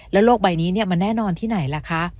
โลกใบนี้มันแน่นอนที่ไหนล่ะคะ